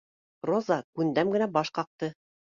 Роза күндәм генә баш ҡаҡты: